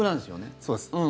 そうです。